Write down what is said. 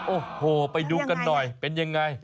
โอ้โหไปดูกันหน่อยเป็นยังไง